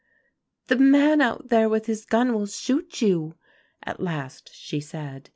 "'The man out there with his gun will shoot you,' at last she said.